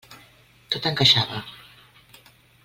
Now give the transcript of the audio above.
Tot encaixava.